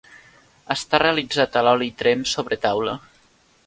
Està realitzat a l'oli i tremp sobre taula.